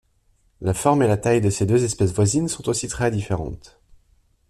La forme et la taille de ces deux espèces voisines sont aussi très différentes.